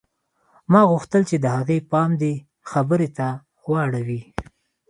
ما غوښتل چې د هغې پام دې خبرې ته واوړي